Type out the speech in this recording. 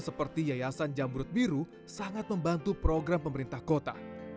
seperti yayasan jamrut biru sangat membantu program pemerintah kota